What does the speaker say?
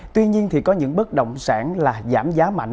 tuy nhiên có những bất động sản giảm giá mạnh